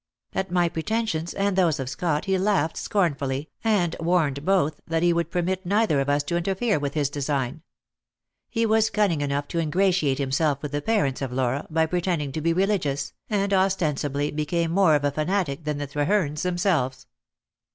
At my pretensions and those of Scott he laughed scornfully, and warned both that he would permit neither of us to interfere with his design. He was cunning enough to ingratiate himself with the parents of Laura by pretending to be religious, and ostensibly became more of a fanatic than the Trehernes themselves.